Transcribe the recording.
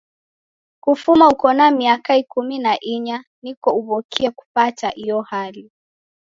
Kufuma uko na miaka ikumi na inya niko uw'okie kupata iyo hali.